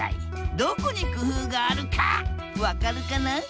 どこに工夫があるか分かるかな？